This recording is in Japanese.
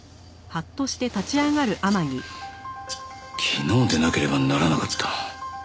昨日でなければならなかった？